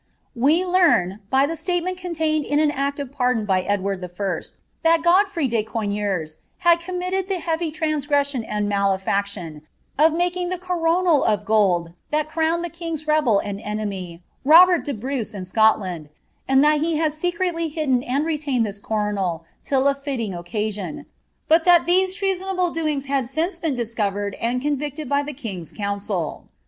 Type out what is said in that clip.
We leam^ by tlie statement contained in an act of pardon by Edward I., that Godferey de Coigners ^ had committed the heavy transgression and malefaction of making the coronal of gold thai crowned the king's rebel and enemy, Robert de Brus, in Scotland, and that he had secretly hidden and retained this coronal till a fitting occasion, but that these treasonable doings had since been discovered tod convicted by the king's council.'